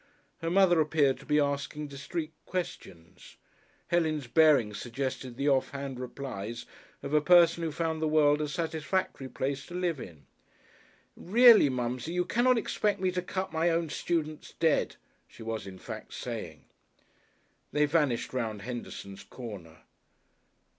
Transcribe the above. Her mother appeared to be asking discreet questions. Helen's bearing suggested the off hand replies of a person who found the world a satisfactory place to live in. "Really, Mumsie, you cannot expect me to cut my own students dead," she was in fact saying.... They vanished round Henderson's corner.